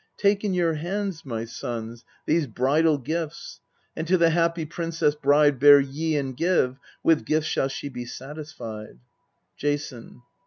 Take in your hands, my sons, these bridal gifts, And to the happy princess bride bear ye And give: with gifts shall she be satisfied. Jason.